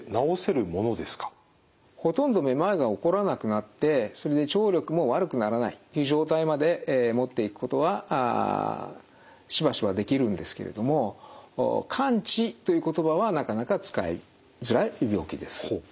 ほとんどめまいが起こらなくなってそれで聴力も悪くならないっていう状態まで持っていくことはしばしばできるんですけれども完治という言葉はなかなか使いづらいという病気です。